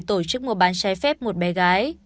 tổ chức mua bán trái phép một bé gái